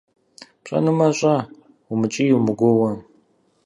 ПщӀэнумэ, щӀэ, умыкӀий-умыгуоуэ!